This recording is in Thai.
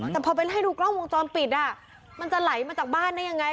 แต่พอไปไล่ดูกล้องวงจรปิดมันจะไหลมาจากบ้านได้ยังไง